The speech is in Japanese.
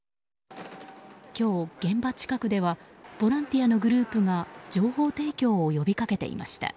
今日、現場近くではボランティアのグループが情報提供を呼び掛けていました。